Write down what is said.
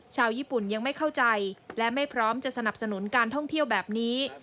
ชาวญี่ปุ่นยังไม่เข้าใจและไม่พร้อมจะสนับสนุนการท่องเที่ยวแบบนี้